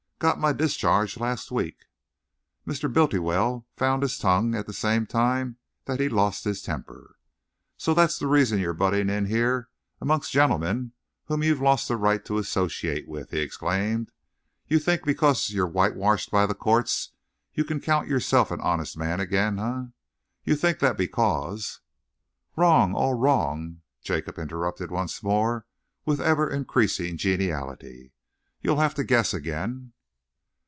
"Got my discharge last week." Mr. Bultiwell found his tongue at the same time that he lost his temper. "So that's the reason you're butting in here amongst gentlemen whom you've lost the right to associate with!" he exclaimed. "You think because you're whitewashed by the courts you can count yourself an honest man again, eh? You think that because " "Wrong all wrong," Jacob interrupted once more, with ever increasing geniality. "You'll have to guess again."